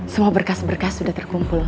semua berkas berkas sudah terkumpul